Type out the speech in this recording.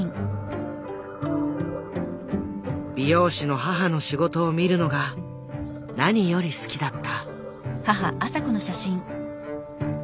美容師の母の仕事を見るのが何より好きだった。